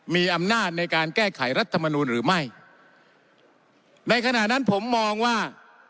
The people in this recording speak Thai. มีอำนาจในการแก้ไขรัฐมนูลหรือไม่ในขณะนั้นผมมองว่า